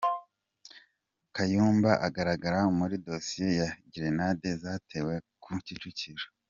Kayumba agaragara muri dosiye ya grenade zatewe ku Kicukiro